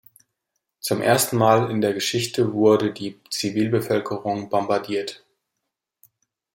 Zum ersten Mal in der Geschichte wurde die Zivilbevölkerung bombardiert.